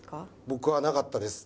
僕はなかったです。